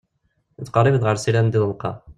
Ittqerrib-d ɣer srir anda ḍelqeɣ.